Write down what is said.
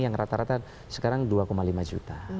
yang rata rata sekarang dua lima juta